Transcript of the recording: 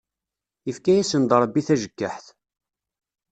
Ifka yasen-d Ṛebbi tajeggaḥt.